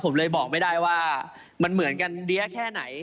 ผมเลยบอกไม่ได้ว่ามันเหมือนกันเดี้ยแค่ไหน